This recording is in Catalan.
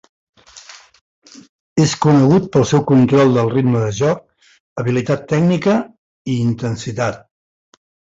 És conegut pel seu control del ritme de joc, habilitat tècnica, i intensitat.